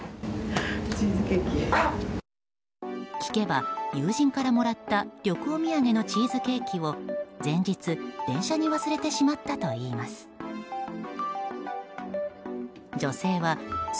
聞けば友人からもらった旅行土産のチーズケーキを前日、電車に忘れてしまったといいます。